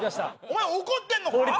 お前怒ってんのか？